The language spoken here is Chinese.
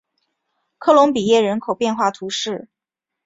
科隆比耶人口变化图示